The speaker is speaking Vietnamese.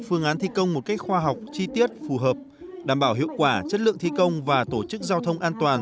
phương án thi công một cách khoa học chi tiết phù hợp đảm bảo hiệu quả chất lượng thi công và tổ chức giao thông an toàn